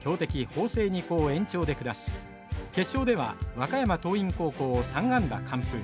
法政二高を延長で下し決勝では和歌山桐蔭高校を３安打完封。